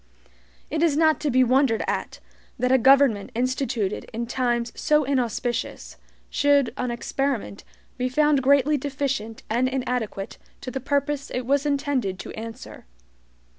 It is not to be wondered at, that a government instituted in times so inauspicious, should on experiment be found greatly deficient and inadequate to the purpose it was intended to answer.